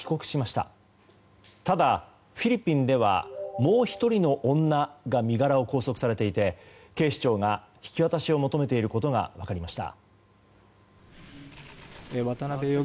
ただ、フィリピンではもう１人の女が身柄を拘束されていて警視庁が引き渡しを求めていることが分かりました。